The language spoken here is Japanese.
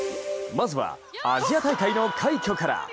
まずはアジア大会の快挙から。